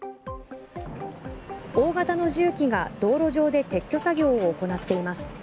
大型の重機が道路上で撤去作業を行っています。